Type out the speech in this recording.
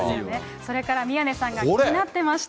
それから宮根さんが気になってました。